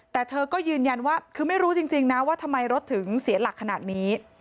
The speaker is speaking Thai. แต่เธอก็ยืนยันว่าคือไม่รู้จริงนะว่าทำไมรถถึงเสียหลักขนาดนี้